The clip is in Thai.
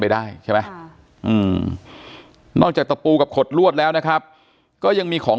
ไปได้ใช่ไหมนอกจากตะปูกับขดลวดแล้วนะครับก็ยังมีของ